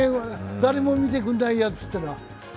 誰も見てくんないやつってのは。